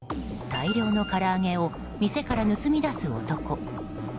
大量の唐揚げを店から盗み出す男。